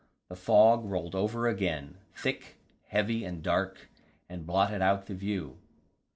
The fog rolled over again, thick, heavy and dark, and blotted out the view.